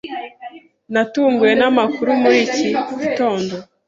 Natunguwe namakuru muri iki gitondo.